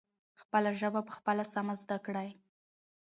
خپله ژبه پخپله سمه زدکړئ.